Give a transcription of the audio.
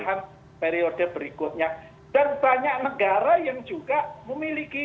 kenapa menambah kewenangan baru begitu